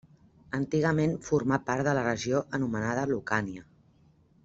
Antigament formà part de la regió anomenada Lucània.